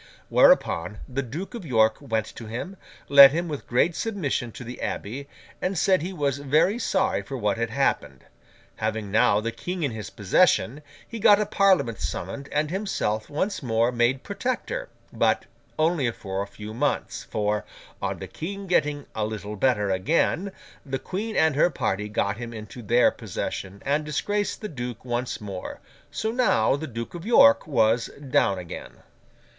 Whereupon, the Duke of York went to him, led him with great submission to the Abbey, and said he was very sorry for what had happened. Having now the King in his possession, he got a Parliament summoned and himself once more made Protector, but, only for a few months; for, on the King getting a little better again, the Queen and her party got him into their possession, and disgraced the Duke once more. So, now the Duke of York was down again.